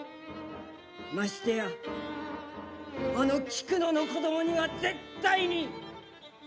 ましてやあの菊乃の子どもには絶対に。